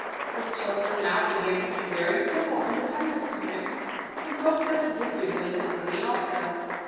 His children now began to be very civil and attentive to him, [ in hopes that he would give them this money 1 also.